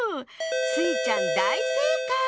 スイちゃんだいせいかい！